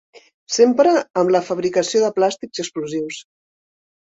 S'empra en la fabricació de plàstics i explosius.